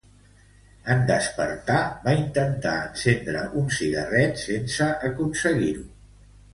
En despertar, va intentar encendre un cigarret sense aconseguir-ho.